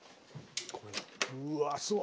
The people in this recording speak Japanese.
うわ、すご！